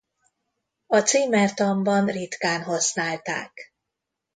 A címertanban ritkán használták.